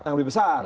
yang lebih besar